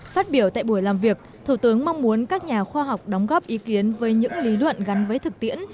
phát biểu tại buổi làm việc thủ tướng mong muốn các nhà khoa học đóng góp ý kiến với những lý luận gắn với thực tiễn